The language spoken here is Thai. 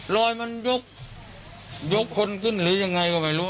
รอยมันยกคนขึ้นหรือยังไงก็ไม่รู้